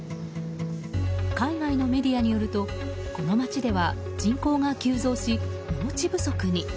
海外のメディアによるとこの街では人口が急増し農地不足に。